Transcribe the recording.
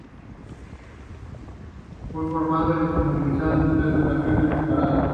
Fue formado y desmovilizado en tres ocasiones separadas.